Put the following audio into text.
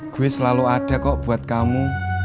gue selalu ada kok buat kamu